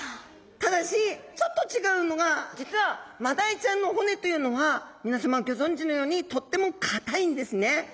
ただしちょっと違うのが実はマダイちゃんの骨というのはみなさまギョ存じのようにとっても硬いんですね。